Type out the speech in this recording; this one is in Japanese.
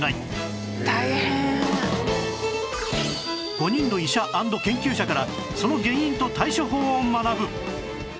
５人の医者＆研究者からその原因と対処法を学ぶ